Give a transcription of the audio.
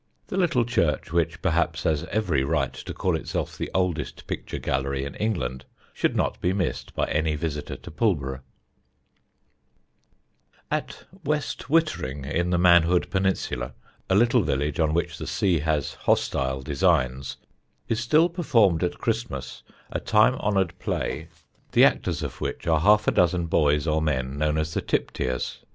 The little church, which perhaps has every right to call itself the oldest picture gallery in England, should not be missed by any visitor to Pulborough. [Sidenote: THE TIPTEERS] At West Wittering in the Manhood Peninsula, a little village on which the sea has hostile designs, is still performed at Christmas a time honoured play the actors of which are half a dozen boys or men known as the Tipteers.